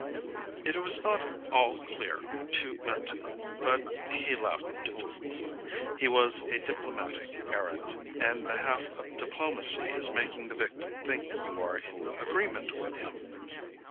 It was not all clear to Minton, but he laughed dutifully. His was a diplomatic errand, and the half of diplomacy is making the victim think you are in agreement with him.